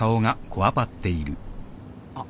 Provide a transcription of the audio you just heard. あっ。